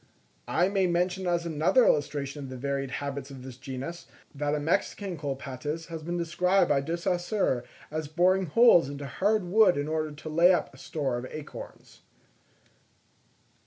I may mention as another illustration of the varied habits of this genus, that a Mexican Colaptes has been described by De Saussure as boring holes into hard wood in order to lay up a store of acorns.